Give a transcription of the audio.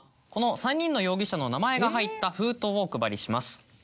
この３人の容疑者の名前が入った封筒をお配りします。